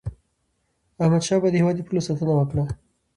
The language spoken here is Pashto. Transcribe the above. احمد شاه بابا د هیواد د پولو ساتنه وکړه.